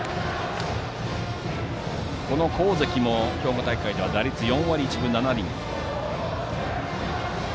この河関も兵庫大会では打率４割１分７厘。